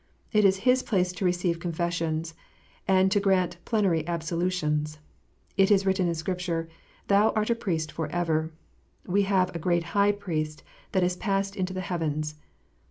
It is His place to receive con fessions, and to grant plenary absolutions. It is written in Scripture, "Thou art a Priest for ever." "We have a great High Priest that is passed into the heavens."